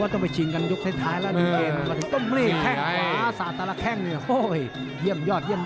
ว่าต้องไปชิงกันยกสุดท้ายแล้ว